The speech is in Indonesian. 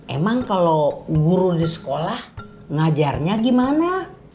emang kalau guru di sekolah ngajarnya gimana